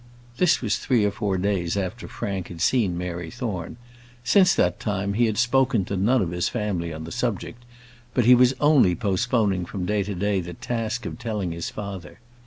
This was three or four days after Frank had seen Mary Thorne. Since that time he had spoken to none of his family on the subject; but he was only postponing from day to day the task of telling his father.